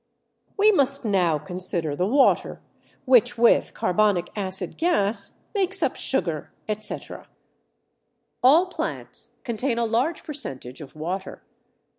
We must now consider the water which with carbonic acid gas makes up sugar, etc. All plants contain a large percentage of water.